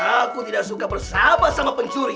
aku tidak suka bersama sama pencuri